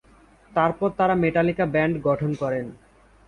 তারপর তারা Metallica band গঠন করেন।